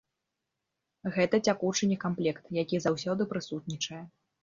Гэта цякучы некамплект, які заўсёды прысутнічае.